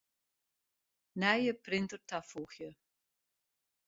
Nije printer tafoegje.